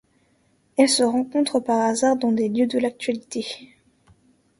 Elles se rencontrent par hasars dans des lieux de l'actualité.